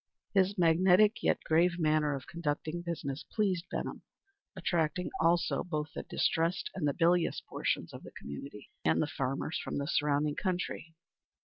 His magnetic yet grave manner of conducting business pleased Benham, attracting also both the distressed and the bilious portions of the community, and the farmers from the surrounding country.